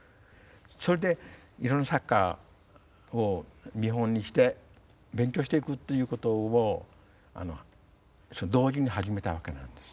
それでいろんな作家を見本にして勉強していくっていうことを同時に始めたわけなんです。